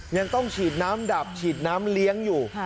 ยังต้องฉีดน้ำดับฉีดน้ำเลี้ยงอยู่